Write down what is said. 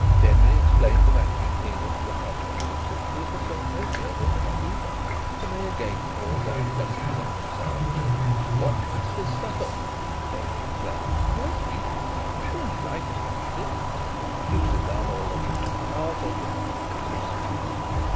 Denry explained the vacuum cleaner to the housewives, who had got no further than a Ewbank. And they again called down blessings on themselves. "What price this supper?" Denry exclaimed. "We ought to eat it. I'm sure he'd like us to eat it. Do sit down, all of you. I'll take the consequences."